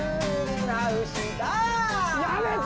やめて！